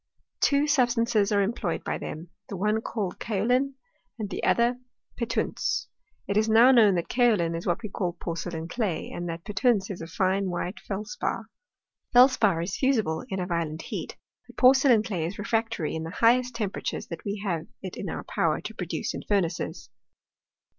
Two substances are employed by them, the one called kaolin and the other petunse. It is now known that kaolin is what we call porcelain clay, and that petunse is a fine white felspar. Felspar is fusible in a violent heat, but porcelain clay is refractory in the highest temperatures that we have it in our power to produce in furnaces.